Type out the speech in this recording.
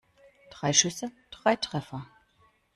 Drei Schüsse, drei Treffer.